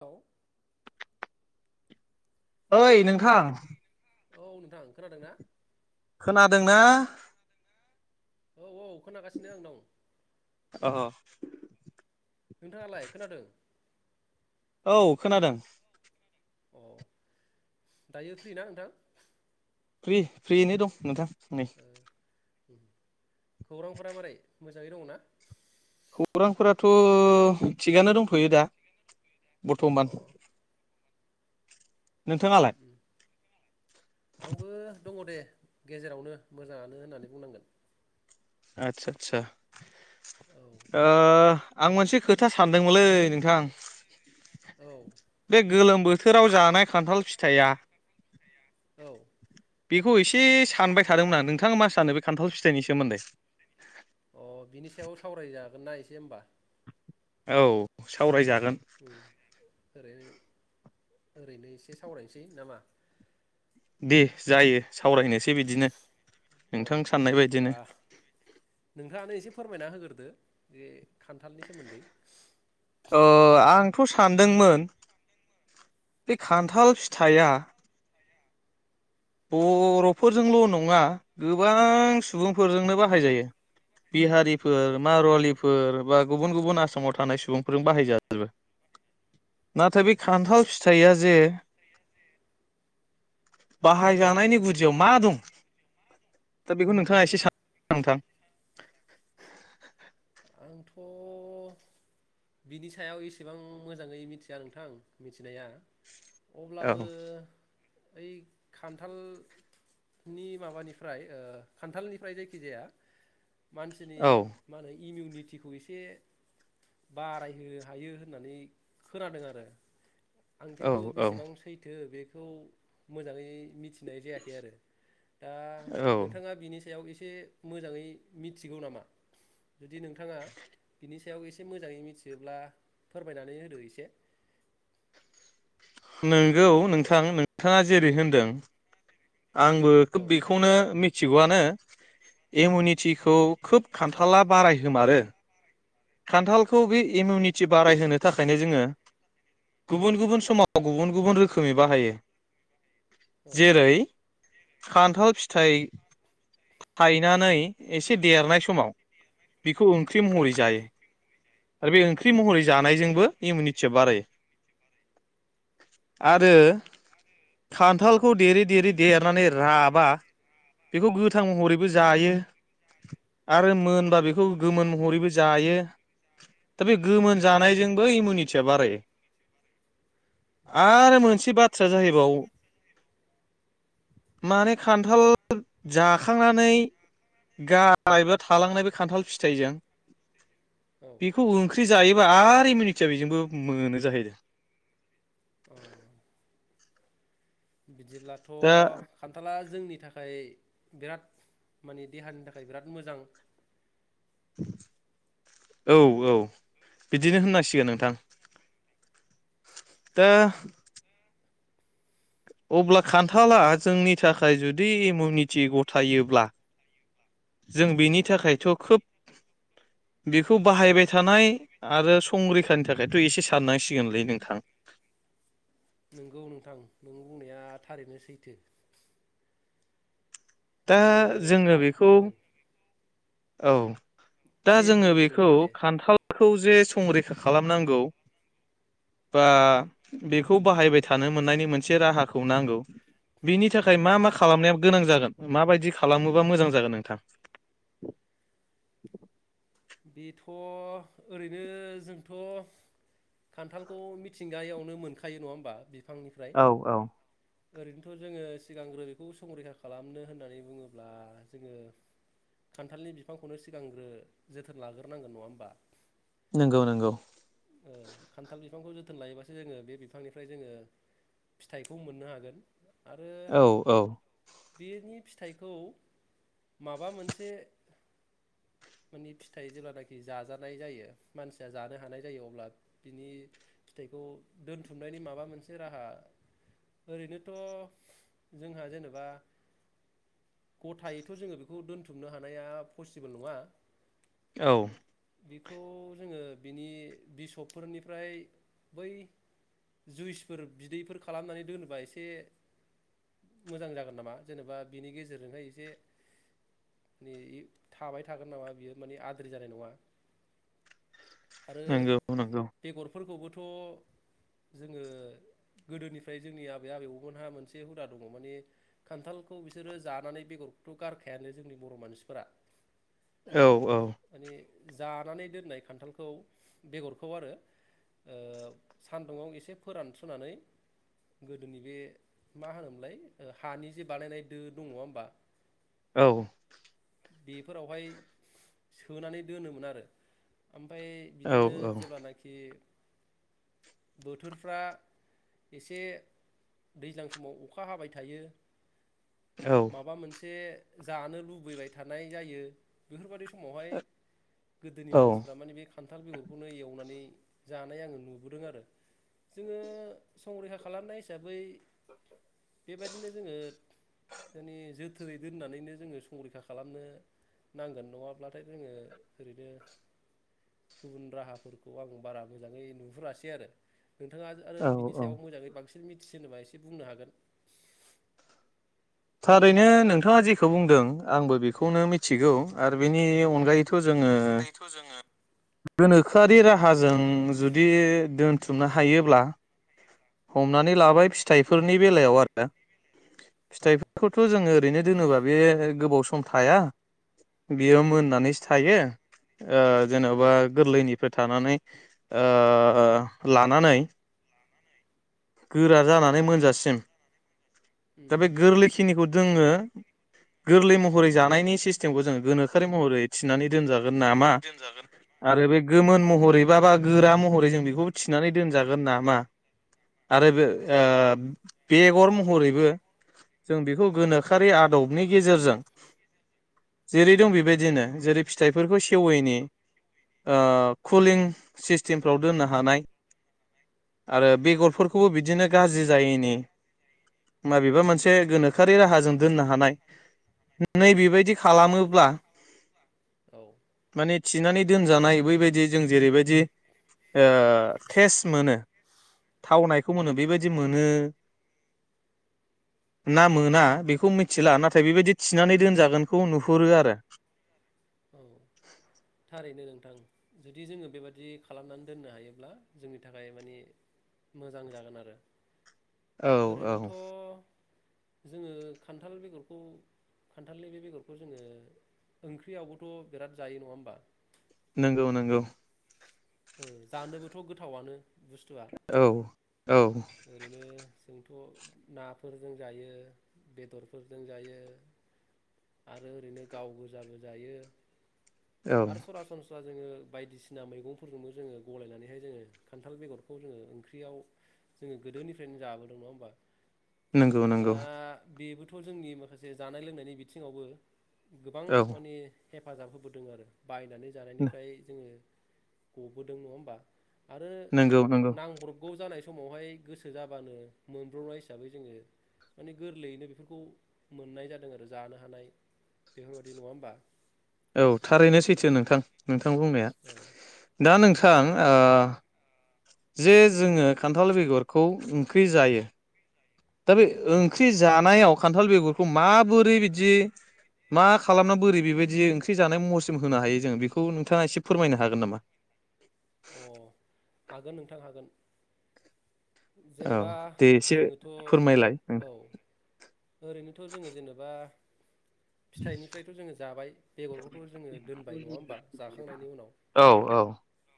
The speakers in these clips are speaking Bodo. औ ओइ नोंथां औ नोंथां खोनादों ना? खोनादोंना? औ औ खोनागासिनो आं दं नोंथाङालाय खोनादों? औ खोनादों दायो फ्रि ना नोंथां? फ्रि फ्रियैनो दं नोंथां नै उम। [inaudible] खौरांफोरा मारै? मोजाङै दङ ना? खौरांफोराथ थिगानो दंथयो दा अ बर्थमान। नोंथाङालाय? आंबो दङ दे। गेजेरावनो मोजाङानो होननानै बुंनांगोन। आच्छा आच्छा। औ ओ आं मोनसे खोथा सानदोंमोनलै नोंथां। औ बे गोलोम बोथोराव जानाय खान्थाल फिथाइया। औ बेखौ एसे सानबाय थादोंमोन आं नोंथाङा मा सानो बे खान्थाल फिथाइनि सोमोन्दै। अ बिनि सायाव सावरायजागोन ना एसे होमबा। औ सावराय जाग गोन। ओरो ओरैनो एसे सावरायनोसै नामा? दे जायो सावरायनोसै बिदिनो औ नोंथां साननाय होमबा बायदिनो। नोंथाङानो एसे फोरमायना होग्रोदो जे खान्थालनि सोमोन्दै। थ सानदोंमोन बे खान्थाल फिथाइया बर फोरजोंल नङा गोबां सुबुंफोरजोंनो बाहायजायो। औ बिहारिफोर मारवालिफोर बा गुबुन गुबुन आसामाव थानाय सुबुंफोरजों बाहायजाजोबो औ नाथाय बे खान्थाल फिथाइया जे बाहाय जानायनि गुदियाव मा दं? दा बेखौ नोंथाङा औ एसे [inaudible] नोंथां आंथ बिनि सायाव एसेबां मोजाङै मिथिया नोंथां मिथिनाया औ अब्लाबो ओइ खान्थाल नि माबानिफ्राय ओ खान्थालनिफ्राय जायखिजाया मानसिनि औ मानै इमिउनिटिखौ एसे बारायहोनो हायो होननानै खोनादों आरो आं औ खिन्थु औ बेसेबां सैथो बे खौ मोजाङै मिथि नाय जायाखै आरो दा औ नोंथाङा बिनि सायाव एस से मोजाङै मिथिगौ नामा? जुदि नोंथाङा बिनि सायाव एसे मोजाङै मिथियोब्ला फोरमायनानै होदो एसे। नोंगौ नोंथां नोंथाङा जेरै- होनदों आंबो औ खोब बेखौनो मि थिगौआनो इउमिनिटिखौ खोब खान्थाला बारायहोमारो औ खान्थालखौ बे इउमिउनिटि बाराय होनो थाखायनो जोङो गुबुन गुबुन समाव गुबुन गुबुन रोखोमै बाहायो औ जेरै खान्थाल फिथाइ थायनानै एसे देरनाय समाव बिखौ ओंख्रि औ महरै जायो। आरो बे ओंख्रि महरै जानायजोंबो इउमिनिटिया बारायो आरो खान्थालखौ देरै देरै देरनानै राबा बेखौ गोथां महरैबो जायो आरो मोनबा बेखौ गोमोन महरैबो जायो। दा बे गोमोन जानायजोंबो इउमिनिटिया बारायो आरो मोनसे बाथ्राया जाहैबाव माने खान्थाल जाखांनानै गारनाय बा थालांनाय बे खान्थाल फिथाइजों औ बेखौ ओंख्रि जायो। आरो इउमिनिटिया बेजोंबो मोनो जाहैदों। अ बिदिब्लाथ' दा खान्थाला जोंनि थाखाय बिराद माने देहानि थाखाय बिराद मोजां औ औ बिदिनो होननांसिगोन नोंथां। दा अब्ला खान्थाला जोंनि थाखाय जुदि इउमिउनिटि गथायोब्ला जों औ बेनि थाखायथ' खोब बेखौ बाहायबाय थानाय आरो संरैखानि थाखायथ' एसे साननांसिगोनलै नोंथां। नंगौ नोंथां नों बुंनाया थारैनो सैथो। दा जोङो जोङो हाय बेखौ औ औ दा दे जोङो बुंग्रोदो बेखौ नोंथाङा दे खान्थालखौ जे संरै खा खालामनांगौ बा बेखौ बाहायबाय थानो मोननायनि मोनसे राहाखौ नांगौ। बिनि औ थाखाय मा मा खालामनायाव गोनां जागोन माबायदि खालामोबा मोजां जागोन नोंथां? बेथ' ओरैनो जोंथ' खान्थालखौ मिथिंगायावनो मोनखायो नङा होमबा बि फांनिफ्राय औ औ ओरैनोथ' जोंङो सिगांग्रो बेखौ संरैखा खालामनो होननानै बुङोब्ला जोंङो खान्थालनि बिफांखौनो सिगांग्रो जोथोन लाग्रोनांगोन नङा होमबा? नोंगौ नोंगौ ओ खान्थाल बिफांखौ जोथोन लायोबासो जोंङो बे बिफांनिफ्राय जोंङो फिथाइखौ मोननो हागोन आ औ औ बेनि फिथाइखौ माबा मोनसे माने फिथाइ जेब्लानाखि जाजानाय जायो मानसिया जानो हानाय जायो अब्ला बिनि फिथाइखौ दोनथुमनायनि माबा मोनसे राहा ओरैनोथ' जोंहा जेनेबा गथायैथ' जोङो बेखौ दोनथुमनो हानाया पसिबोल नङा औ बेखौ जोङो बिनि बिसबफोरनिफ्राय बै जुइसफोर बिदैफोर खालामनानै दोनोबा इसे मोजां जागोन नामा जेनेबा बिनि गेजेरजोंहाय इसे नियि थाबाय थागोन नामा बियो माने आद्रि जानाय नङा। नोंगौ नोंगौ फोरखौबोथ' जोंङो गोदोनिफ्राय जोंनि आबै आबैबौमोनहा मोनसे हुदा दङ माने खान्थालखौ बिसोरो जानानै बेगरखौथ' गारखायानो जोंनि बर' मानसिफोरा औ औ माने जानानै दोननाय खान्थालखौ बेगरखौ आरो ओ सान्दुुंङाव एसे फोरानस्रोनानै गोदोनि बे मा होनोमोनलाय हानि जे बानायनाय दो दं नङा होमबा औ बेफोरावहाय सोनानै दोनोमोन आरो ओमफाय औ बिदिनो जेब्लानाखि बोथोरफ्रा एसे दैज्लां समाव अखा हाबाय थायो। माबा मोनसे जानो लुबैबाय थानाय जायो बेफोरबायदि स समावहाय गोदोनि औ मानसिफ्रा माने बे खान्थाल बेगरखौनो एवनानै जानाय आङो नुबोदों आरो जोङो संरैखा खालामनाय हिसाबै बेबायदिनो जोंङो जोथोनै दोननानैनो जोंङो संरैखा खालामनो नांगोन नङाब्लाथाय जोंङो ओरैनो गुबुन राहाफोरखौ आं बारा मोजांङै नुहुरासै आरो। नोंथांङा आरो बिनि औ औ सायाव मोजांङै बांसिन मिथिसिनोबा एसे बुंनो हागोन। थारैनो नोंथांङा जेखौ बुंदों आंबो बेखौनो मिथिगौ आरो बेनि अनगायैथ' जो जोङो गोनोखोआरि राहाजों जुदि दोनथुमनो हायोब्ला हमनानै लाबाय फिथाइफोरनि बेलायाव आरो ना औ फिथाइफोरखौथ' जोंङो ओरैनो दोनोबा बे गोबाव सम थाया बेयो मोननानैसो थायो। ओ उम जेनेबा गोरलैनिफ्राय थानानै ओ लानानै गोरा जानानै मोनजासिम उम दा बे गोरलै खि निखौ जोङो गोरलै महरै जानायनि सिस्टेमखौ जोङो गोनोखोै महरै थिनानै दोनजा गोन नामा आरो बे गोमोन महरै बा बा गोरा महरै जों बेखौ थिनानै दोनजागोन नामा? आरो बे ओ बेगर महरैबो जों बेखौ गोनोखोरि आदबनि गेजेरजों जेरै दं बेबायदिनो जेरै फिथाइफोरखौ सेवैनि ओ कुलिं सिस्टेमफ्राव दोननो हानाय आरो उम बेगरफोरखौ बिदिनो गाज्रि जायैनि माबेबा मोनसे गोनोखोआरि राहाजों दोननो हानाय नै बेबायदि खालामोब्ला औ माने थिनानै दोनजानाय बैबायदि जों जेरैबायदि ओ टेस्ट मोनो थावनाय खौ मोनो बेबायदि मोनो ना मोना बेखौ मिथिला ना थाय बेबायदि थिनानै दोनजागोनखौ नुहुरो आरो। औ थारैनो नोंथां जुदि जोङो बेबादि खालामनानै दोननो हायोब्ला जोंनि थाखाय मानि मोजां जागोन आरो। औ औ ओरैनोथ' जोङो खान्थाल बेगरखौ खान्थालनि बे बेगरखौ जोङो ओंख्रियावबोथ' बिराद जायो नङा होमबा? नंगौ‌ नंगौ जानोबोथ' गोथावनो औ औ ओरैनो जोंथ नाफोरजों जायो बेदरफोरजों जायो आरो ओरैनो गाव गोजाबो जायो औ आरो सरासनस्रा जोङो बायदिसिना मैगं फोरफोरजोंबो जोङो गलायनानैहाय जोङो खान्थाल बेगरखौ जोङो ओंख्रियाव जोङो गोदोनिफ्रायनो जाबोदों नङा होमबा नंगौ दा नंगौ बेबो बेथ जोंनि माखासे जानाय लोंनायनि बिथिङावबो गोबां औ माने हेफाजाब होबोदों आरो बायनानै जानायनिफ्राय जोङो गबोदों नङा होमबा आरो नंगौ नंगौ नांब्रब गौव जानाय समावहाय गोसो जाबानो मोनब्रबनाय हिसाबै जोङो माने गोरलैयैनो बेफोरखौ मोननाय जादों आरो जानो हानाय बेफोरबायदि नङा होमबा औ थारैनो सैथो नोंथां नोंथां बुंनाया औ दा नोंथां ओं ओ जे जोङो खान्थाल बेगरखौ ओंख्रि जायो दा बे औ ओंख्रि जा नायाव खान्थाल बेगरखौ माबोरै बिदि मा खालामना बोरै बेबायदि ओंख्रि जानाय महरसिम होनो हायो जोङो बेखौ नोंथाङा एसे फोरमायनो हागोन नामा? अ हागोन नोंथां हागोन औ जेनेबा दे एसे जोङोथ' फोरमायलाय औ ओरैनोथ' जोङो जेनेबा फिथाइनिफ्रायथ जोङो जाबाय बेगरखौथ' जोङो दोनबाय नङा होमबा जाखांनायनि उनाव औ औ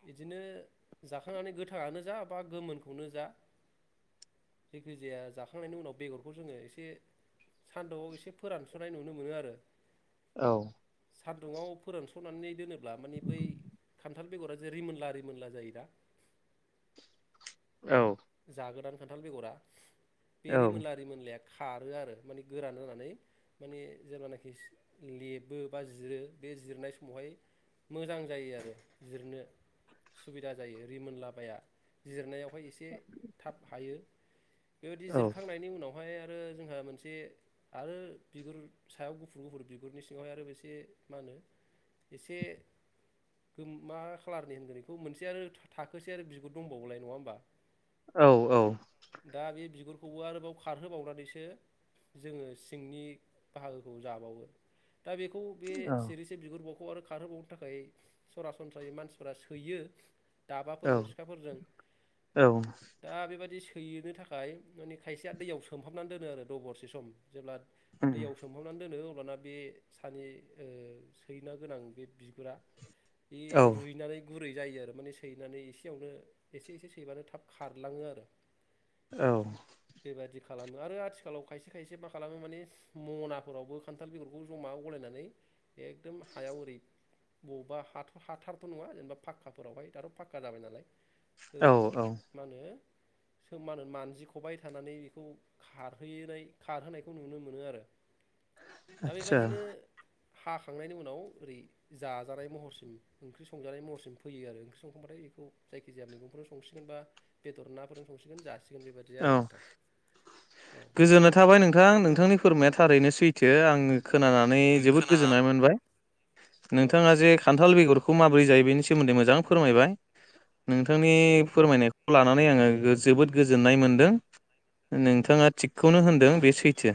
बिदिनो जाखांनानै गोथाङानो जा बा गोमोनखौनो जा जायखिजाया जाखांनायनि उनाव बेगरखौ जोङो एसे सान्दुंआव एसे फोरानसनाय नुनो मोनो आरो औ सान्दुुंआव फोरानसनानै दोनोब्ला माने बै खान्थाल बेगरा रिमोनला रिमोनला जायो दा औ जागोदान खान्थाल बेगरा बेे औ रिमोनला रिमोनला खारो आरो माने गोरान जानानै माने जेब्लानाखि लेबो बा जिरो बे जिरनाय समावहाय मोजां जायो आरो जिरनो सुबिदा जायो रिमोनला बाया जिरनायाव फाय एसे थाब हायो बेबायदि औ जिरखांनायनि उनाव बेवहाय आरो जोंहा मोनसे आरो बिगुर सायाव गुफुर गुफुर बिगुरनि सिङावहाय आरो एसे मा होनो एसे गोम मा खालारनि होनगोन बेखौ मोनसे आरो थाखोसे आरो बिगुर दंबावोलाय नङा होमबा औ दा बे बिगुर खौ आरोबाव खारहोबावनानैसो जोङो सिंनि बाहागोखौ जाबावो दा बेखौ बे सेरैसे बिगुरबाव खौ आरो खारहोबावनो थाखाय सरासनस्रायै मानसिफ्रा सोयो। औ दाबाफोरजों सिखाफोरजों। दा बेबायाददि सैयनो थाखाय माने खायसेया दैयाव सोमहाबनानै दोनो आरो दबरसे सम। जेब्ला दैयाव सोमहाबनानै दोनो अब्ला अब्लाना बे सानि ओ सैनो गोनां बे बिगुरा बे रुइनानै गुरै जायो आरो माने सैनानै एसेयावनो एसे एसे सैबानो थाब खारलाङो आरो। औ। बे बायदि खालामो आरो आथिखालाव खायसे खायसे मा खालामो माने मनाफोरावबो खान्थाल बेगरखौ जमा गलायनानै एकदम हायाव ओरै बब्बा हाथ हाथारथ' नङा जेनेबा फाक्काफोरावहाय दाथ' फाखक्का जाबाय नालाय। औ औ। माने सोम मा होनो मानजिखबाय थानानै बेखौ खारहोनाय खारहोनायखौ नुनो मोनो आरो। दा आदसा बेबादिनो हाखांनायनि उनाव ओरै जाजानाय महरसिम ओंख्रि संजानाय महरसिम फैयो आरो ओंख्रि संखांबाथाय बेखौ जायखिजाया मैगंफोर संसिगोनबा बेदर नाफोरजों संसिगोन जासि औ औ गोजोननाय थाबाय नोंथां नोंथांनि फोरमाया थारैनो सैथो आङो खोनानानै जोबोद गोजोननाय मोनबाय नोंथाङा औ जे खान्थाल बेगरखौ खौ माबोरै जायो बेनि सोमोन्दै मोजां फोरमायबाय। नोंथांनि औ फोरमायनायखौ लानानै आङो गो जोबोद गोज गोजोननाय मोन्दों नोंथाङा थिगखौनो होनदों बे सैथो।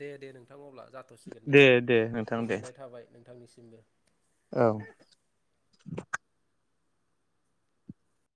दे दे नोंथां अब्ला जाथ'सिगोन दे गोजोननाय थाबाय नोंथांनिसिम। [unintelligible] औ।